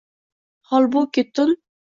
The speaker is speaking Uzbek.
Holbuki, tun…